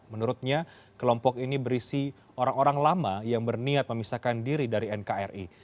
menurutnya kelompok ini berisi orang orang lama yang berniat memisahkan diri dari nkri